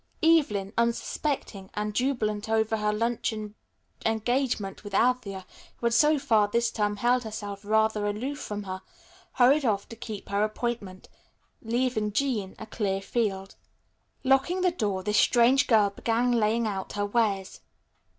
Evelyn, unsuspecting and jubilant over her luncheon engagement with Althea, who had so far this term held herself rather aloof from her, hurried off to keep her appointment, leaving Jean a clear field. Locking the door, this strange girl began laying out her wares.